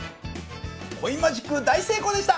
コインマジック大成功でした。